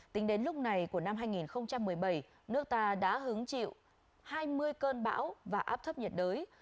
tính đến lúc này của năm hai nghìn một mươi bảy nước ta đã hứng chịu hai mươi cơn bão và áp thấp nhiệt đới